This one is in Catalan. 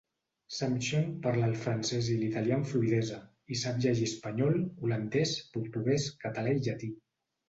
Sumption parla el francès i l'italià amb fluïdesa, i sap llegir espanyol, holandès, portuguès, català i llatí.